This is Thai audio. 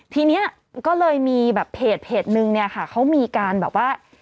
ทีนี้ก็เลยมีแบบเป็ดหนึ่งเขามีการแบบว่า